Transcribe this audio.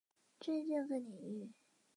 壳口为特殊的类六边形。